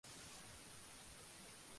Casi todas las casas están destruidas.